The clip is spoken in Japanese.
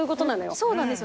そうなんですよね。